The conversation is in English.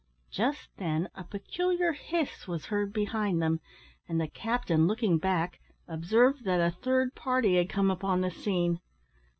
Just then a peculiar hiss was heard behind them, and the captain, looking back, observed that a third party had come upon the scene.